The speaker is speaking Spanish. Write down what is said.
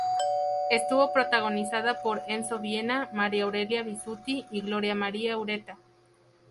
Estuvo protagonizada por Enzo Viena, María Aurelia Bisutti y Gloria María Ureta.